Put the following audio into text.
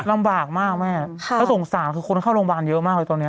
ลำบากมากแม่แล้วสงสารคือคนเข้าโรงพยาบาลเยอะมากเลยตอนนี้